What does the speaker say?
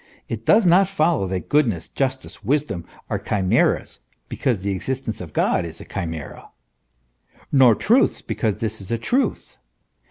It does not follow that good ness, justice, wisdom, are chimseras, because the existence of God is a chimsera, nor truths because this is a truth.